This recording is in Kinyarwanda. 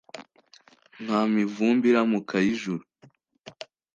nta mivumbi iramuka y' ijuru !"